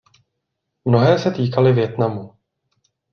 Mnohé se týkaly Vietnamu.